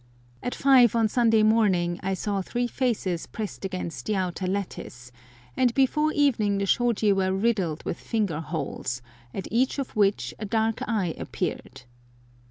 At five on Sunday morning I saw three faces pressed against the outer lattice, and before evening the shôji were riddled with finger holes, at each of which a dark eye appeared.